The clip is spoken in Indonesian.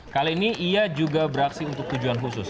kali ini ia juga beraksi untuk tujuan khusus